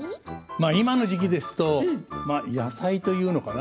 今の時期ですと野菜というのかな